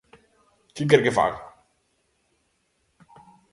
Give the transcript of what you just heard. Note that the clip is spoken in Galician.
¿Que quere que faga?